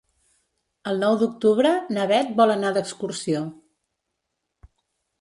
El nou d'octubre na Beth vol anar d'excursió.